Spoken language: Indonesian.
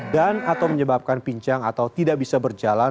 dan atau menyebabkan pincang atau tidak bisa berjalan